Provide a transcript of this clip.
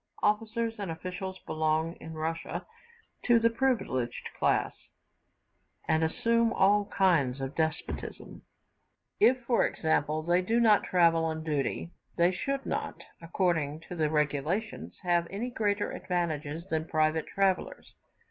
Officers and officials belong, in Russia, to the privileged class, and assume all kinds of despotism. If, for example, they do not travel on duty, they should not, according to the regulations, have any greater advantages than private travellers.